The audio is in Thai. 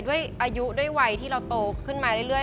ด้วยอายุด้วยวัยที่เราโตขึ้นมาเรื่อย